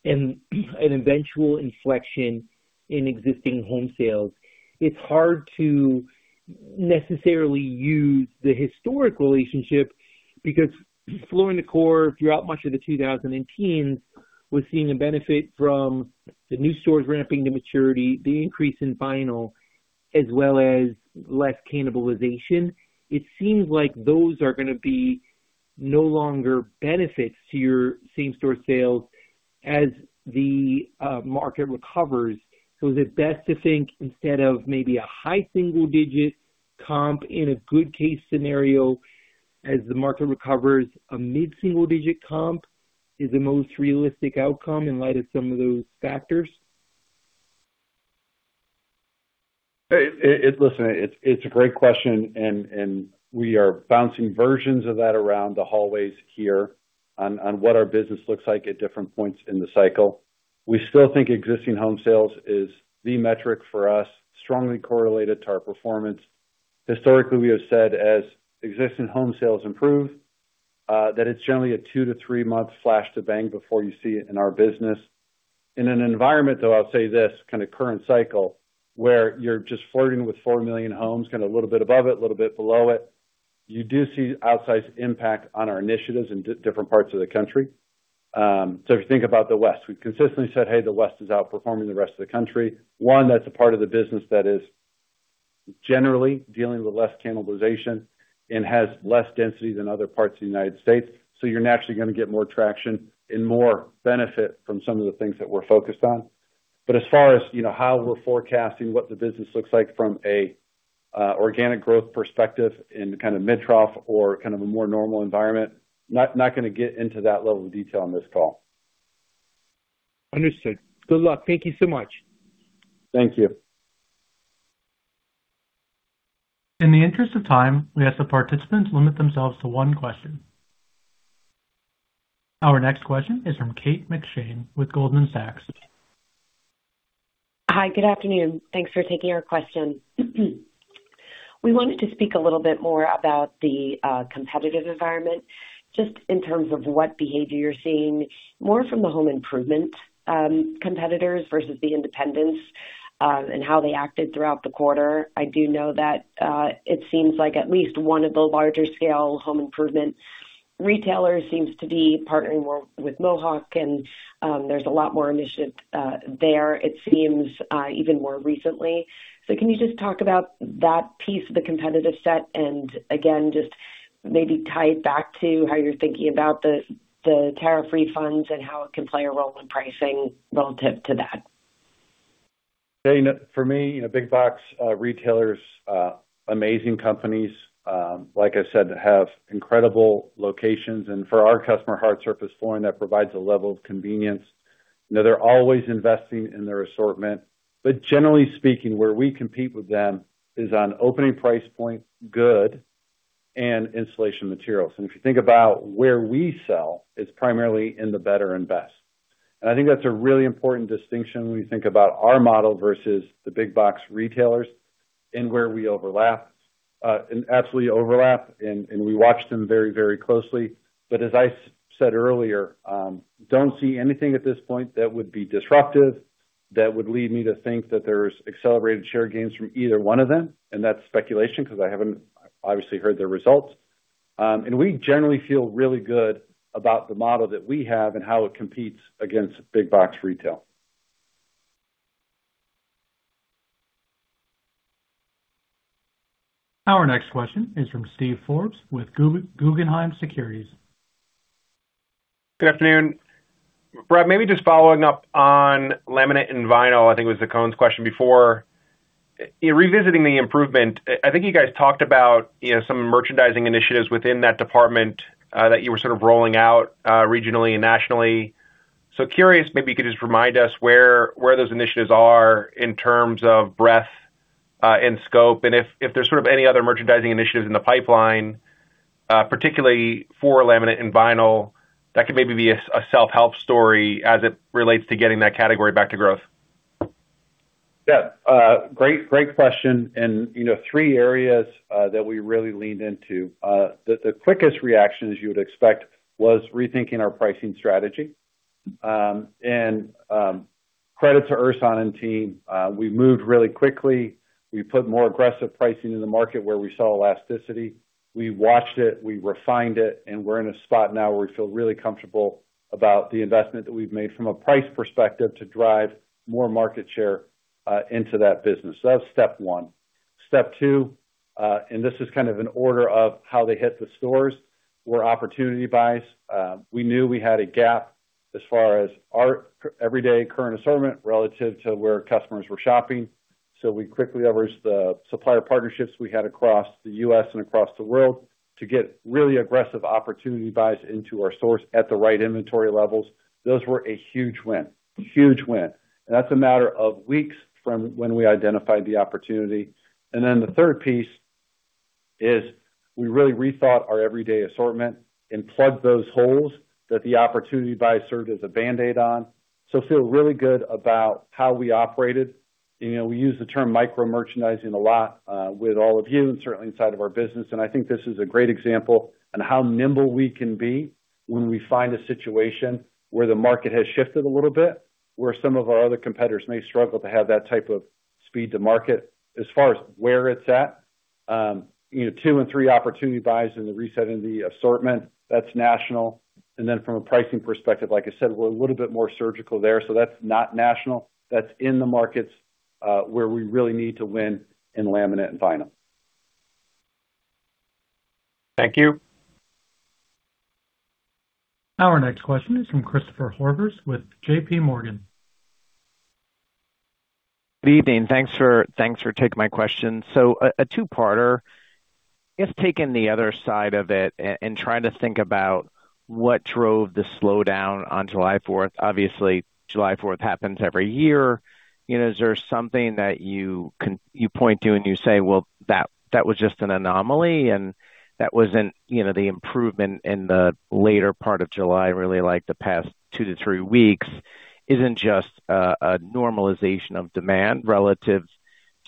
and an eventual inflection in existing home sales? It's hard to necessarily use the historic relationship because Floor & Decor, throughout much of the 2010s, was seeing a benefit from the new stores ramping to maturity, the increase in vinyl, as well as less cannibalization. It seems like those are going to be no longer benefits to your same store sales as the market recovers. Is it best to think instead of maybe a high single-digit comp in a good case scenario as the market recovers, a mid-single-digit comp is the most realistic outcome in light of some of those factors? Listen, it's a great question. We are bouncing versions of that around the hallways here on what our business looks like at different points in the cycle. We still think existing home sales is the metric for us, strongly correlated to our performance. Historically, we have said as existing home sales improve, that it's generally a two to three-month flash to bang before you see it in our business. In an environment, though, I'll say this kind of current cycle, where you're just flirting with four million homes, kind of a little bit above it, a little bit below it. You do see outsized impact on our initiatives in different parts of the country. If you think about the West, we've consistently said, "Hey, the West is outperforming the rest of the country." One, that's a part of the business that is generally dealing with less cannibalization and has less density than other parts of the U.S. You're naturally going to get more traction and more benefit from some of the things that we're focused on. As far as how we're forecasting what the business looks like from a organic growth perspective in kind of mid trough or kind of a more normal environment, not going to get into that level of detail on this call. Understood. Good luck. Thank you so much. Thank you. In the interest of time, we ask that participants limit themselves to one question. Our next question is from Kate McShane with Goldman Sachs. Hi, good afternoon. Thanks for taking our question. We wanted to speak a little bit more about the competitive environment, just in terms of what behavior you're seeing, more from the home improvement competitors versus the independents, and how they acted throughout the quarter. I do know that it seems like at least one of the larger scale home improvement retailers seems to be partnering more with Mohawk and there's a lot more initiative there it seems, even more recently. Can you just talk about that piece of the competitive set and again, just maybe tie it back to how you're thinking about the tariff refunds and how it can play a role in pricing relative to that? For me, big box retailers, amazing companies, like I said, have incredible locations. For our customer, hard surface flooring, that provides a level of convenience. They're always investing in their assortment. Generally speaking, where we compete with them is on opening price point, good, and installation materials. If you think about where we sell, it's primarily in the better invest. I think that's a really important distinction when you think about our model versus the big box retailers and where we overlap. Absolutely overlap, and we watch them very closely. As I said earlier, don't see anything at this point that would be disruptive that would lead me to think that there's accelerated share gains from either one of them. That's speculation because I haven't obviously heard their results. We generally feel really good about the model that we have and how it competes against big box retail. Our next question is from Steven Forbes with Guggenheim Securities. Good afternoon. Brad, maybe just following up on laminate and vinyl, I think it was the Zaccone's question before. Revisiting the improvement, I think you guys talked about some merchandising initiatives within that department, that you were rolling out regionally and nationally. Curious, maybe you could just remind us where those initiatives are in terms of breadth and scope, and if there's any other merchandising initiatives in the pipeline, particularly for laminate and vinyl that could maybe be a self-help story as it relates to getting that category back to growth. Yeah. Great question. Three areas that we really leaned into. The quickest reaction, as you would expect, was rethinking our pricing strategy. Credit to Ersan and team. We moved really quickly. We put more aggressive pricing in the market where we saw elasticity. We watched it, we refined it, and we're in a spot now where we feel really comfortable about the investment that we've made from a price perspective to drive more market share into that business that's step one. Step two, and this is kind of in order of how they hit the stores, were opportunity buys. We knew we had a gap as far as our everyday current assortment relative to where customers were shopping. We quickly leveraged the supplier partnerships we had across the U.S. and across the world to get really aggressive opportunity buys into our stores at the right inventory levels. Those were a huge win. And that's a matter of weeks from when we identified the opportunity. The third piece is we really rethought our everyday assortment and plugged those holes that the opportunity buys served as a band-aid on. Feel really good about how we operated. We use the term micro-merchandising a lot, with all of you and certainly inside of our business, and I think this is a great example on how nimble we can be when we find a situation where the market has shifted a little bit, where some of our other competitors may struggle to have that type of speed to market. As far as where it's at, two and three opportunity buys in the resetting the assortment, that's national. From a pricing perspective, like I said, we're a little bit more surgical there, that's not national. That's in the markets, where we really need to win in laminate and vinyl. Thank you. Our next question is from Christopher Horvers with JPMorgan. Good evening. Thanks for taking my question. A two-parter. Just taking the other side of it and trying to think about what drove the slowdown on July 4th. Obviously, July 4th happens every year. Is there something that you point to and you say, "Well, that was just an anomaly, and that wasn't the improvement in the later part of July, really like the past two to three weeks, isn't just a normalization of demand relative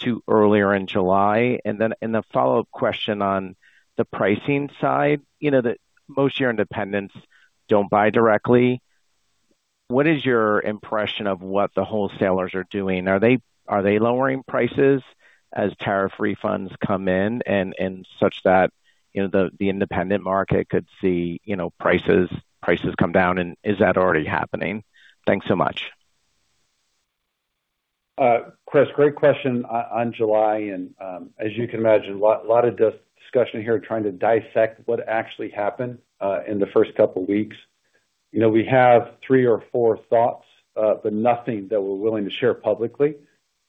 to earlier in July?" A follow-up question on the pricing side. Most of your independents don't buy directly. What is your impression of what the wholesalers are doing? Are they lowering prices as tariff refunds come in and such that the independent market could see prices come down, and is that already happening? Thanks so much. Chris, great question on July, and, as you can imagine, a lot of discussion here trying to dissect what actually happened in the first couple of weeks. We have three or four thoughts, but nothing that we're willing to share publicly.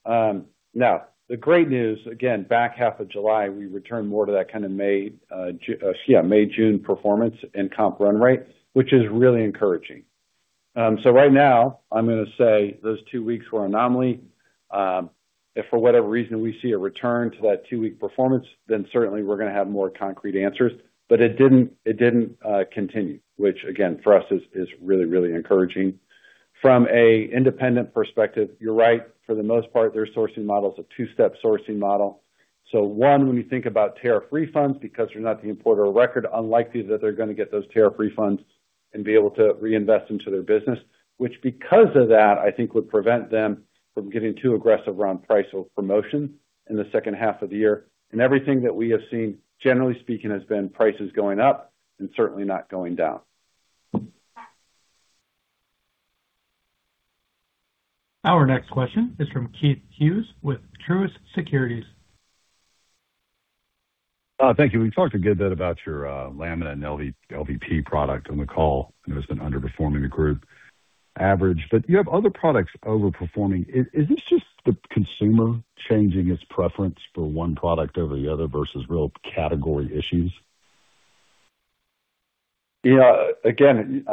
The great news, again, back half of July, we returned more to that kind of May, June performance and comp run rate, which is really encouraging. Right now, I'm going to say those two weeks were an anomaly. If for whatever reason we see a return to that two-week performance, then certainly we're going to have more concrete answers. It didn't continue, which again, for us is really, really encouraging. From an independent perspective, you're right. For the most part, their sourcing model is a two-step sourcing model. One, when you think about tariff refunds, because they're not the importer of record, unlikely that they're going to get those tariff refunds and be able to reinvest into their business, which because of that, I think would prevent them from getting too aggressive around price or promotion in the second half of the year. Everything that we have seen, generally speaking, has been prices going up and certainly not going down. Our next question is from Keith Hughes with Truist Securities. Thank you. We've talked a good bit about your laminate and LVP product on the call, and it's been underperforming the group average. You have other products overperforming. Is this just the consumer changing its preference for one product over the other versus real category issues? Yeah. Again,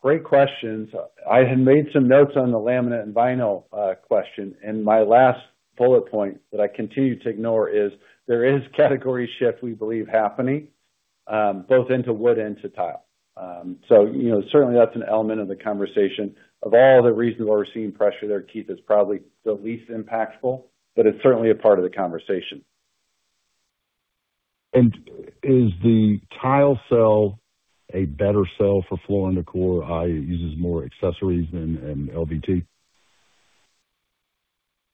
great questions. I had made some notes on the laminate and vinyl question, my last bullet point that I continue to ignore is there is category shift we believe happening, both into wood and to tile. Certainly that's an element of the conversation. Of all the reasons why we're seeing pressure there, Keith, it's probably the least impactful, it's certainly a part of the conversation. Is the tile sell a better sell for Floor & Decor? How it uses more accessories than LVT?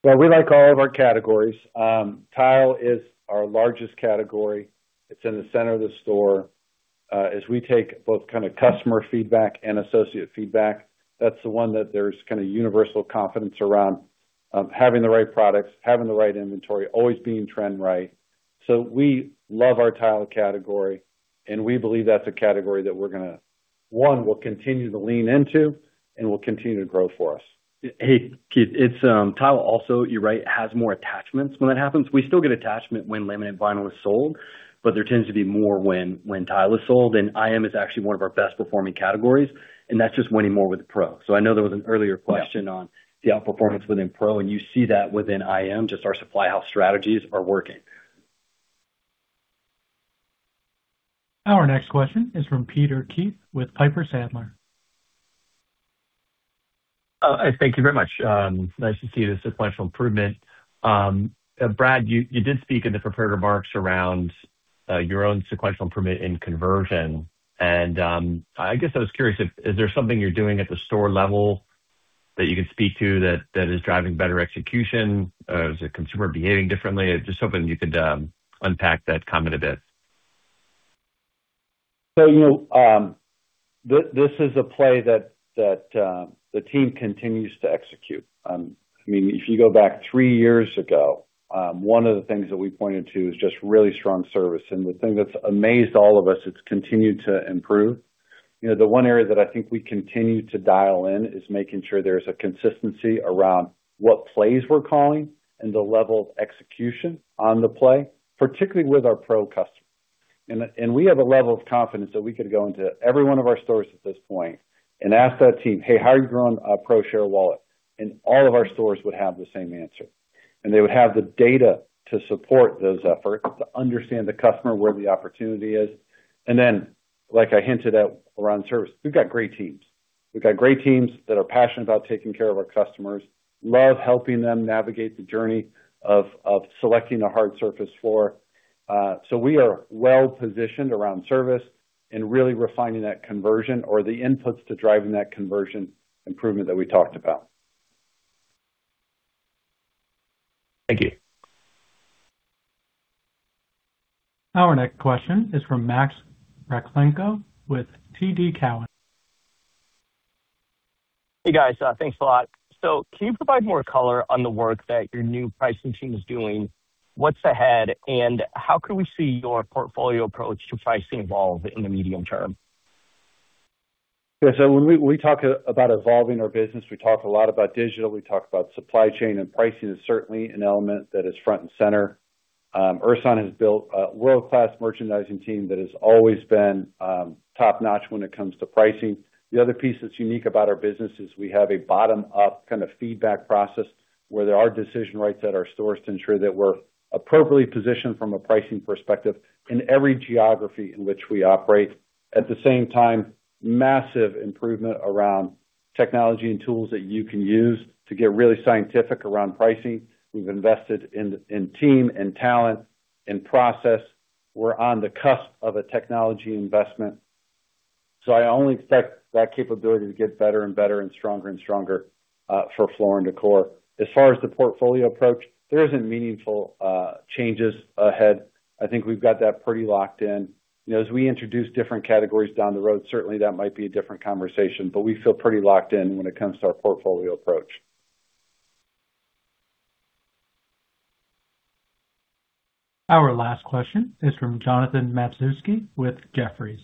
Well, we like all of our categories. Tile is our largest category. It's in the center of the store. As we take both kind of customer feedback and associate feedback, that's the one that there's kind of universal confidence around, having the right products, having the right inventory, always being trend right. We love our Tile category, and we believe that's a category that we'll continue to lean into and will continue to grow for us. Hey, Keith, Tile also, you're right, has more attachments when that happens. We still get attachment when Laminate and Vinyl is sold, but there tends to be more when Tile is sold, and IM is actually one of our best performing categories, and that's just winning more with pro. I know there was an earlier question on the outperformance within pro, and you see that within IM, just our supply house strategies are working. Our next question is from Peter Keith with Piper Sandler. Thank you very much. Nice to see the sequential improvement. Brad, you did speak in the prepared remarks around your own sequential performance in conversion. I guess I was curious if, is there something you're doing at the store level that you can speak to that is driving better execution? Is the consumer behaving differently? Just hoping you could unpack that comment a bit. This is a play that the team continues to execute. If you go back three years ago, one of the things that we pointed to is just really strong service. The thing that's amazed all of us, it's continued to improve. The one area that I think we continue to dial in is making sure there's a consistency around what plays we're calling and the level of execution on the play, particularly with our Pro customer. We have a level of confidence that we could go into every one of our stores at this point and ask that team, "Hey, how are you growing Pro share wallet?" All of our stores would have the same answer. They would have the data to support those efforts, to understand the customer, where the opportunity is. Then, like I hinted at around service, we've got great teams. We've got great teams that are passionate about taking care of our customers, love helping them navigate the journey of selecting a hard surface floor. We are well-positioned around service and really refining that conversion or the inputs to driving that conversion improvement that we talked about. Thank you. Our next question is from Max Rakhlenko with TD Cowen. Hey, guys. Thanks a lot. Can you provide more color on the work that your new pricing team is doing? What's ahead, and how could we see your portfolio approach to pricing evolve in the medium term? Yeah. When we talk about evolving our business, we talk a lot about digital. We talk about supply chain, and pricing is certainly an element that is front and center. Ersan has built a world-class merchandising team that has always been top-notch when it comes to pricing. The other piece that's unique about our business is we have a bottom-up kind of feedback process where there are decision rights at our stores to ensure that we're appropriately positioned from a pricing perspective in every geography in which we operate. At the same time, massive improvement around technology and tools that you can use to get really scientific around pricing. We've invested in team, in talent, in process. We're on the cusp of a technology investment. I only expect that capability to get better and better and stronger and stronger for Floor & Decor. As far as the portfolio approach, there isn't meaningful changes ahead. I think we've got that pretty locked in. As we introduce different categories down the road, certainly that might be a different conversation, but we feel pretty locked in when it comes to our portfolio approach. Our last question is from Jonathan Matuszewski with Jefferies.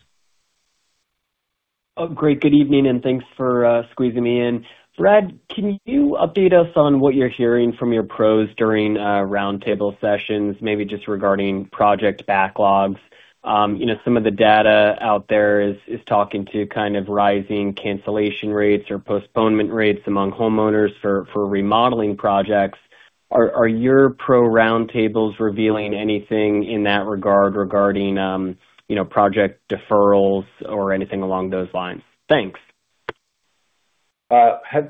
Great. Good evening, and thanks for squeezing me in. Brad, can you update us on what you're hearing from your Pros during roundtable sessions, maybe just regarding project backlogs? Some of the data out there is talking to kind of rising cancellation rates or postponement rates among homeowners for remodeling projects. Are your Pro roundtables revealing anything in that regard regarding project deferrals or anything along those lines? Thanks.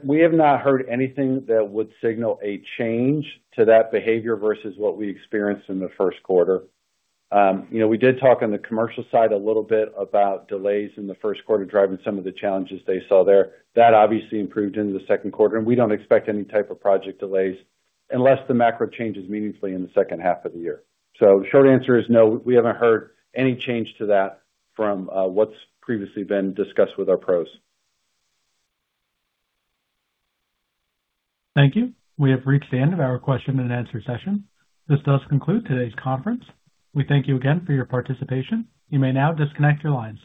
We have not heard anything that would signal a change to that behavior versus what we experienced in the first quarter. We did talk on the commercial side a little bit about delays in the first quarter driving some of the challenges they saw there. That obviously improved into the second quarter, and we don't expect any type of project delays unless the macro changes meaningfully in the second half of the year. Short answer is no, we haven't heard any change to that from what's previously been discussed with our Pros. Thank you. We have reached the end of our question and answer session. This does conclude today's conference. We thank you again for your participation. You may now disconnect your lines.